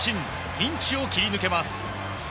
ピンチを切り抜けます。